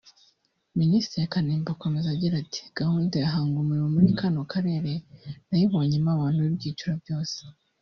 Minisitiri Kanimba akomeza agira ati “Gahunda ya Hangumurimo muri kano karere nayibonyemo abantu b’ibyiciro byose